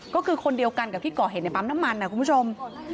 ก็คือคนเดียวกันกับที่ก่อเหตุในปั๊มน้ำมันนะคุณผู้ชม